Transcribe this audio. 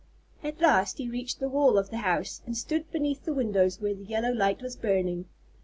At last he reached the wall of the house, and stood beneath the windows where the yellow light was burning.